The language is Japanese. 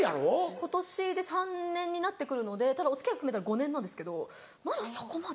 今年で３年になって来るのでただお付き合い含めたら５年なんですけどまだそこまで。